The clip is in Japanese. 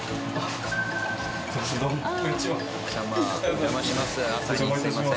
お邪魔します。